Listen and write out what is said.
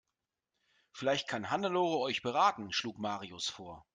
Vielleicht kann Hannelore euch beraten, schlug Marius vor.